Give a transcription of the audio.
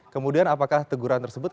kemudian apakah teguran tersebut